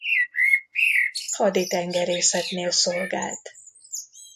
Haditengerészetnél szolgált.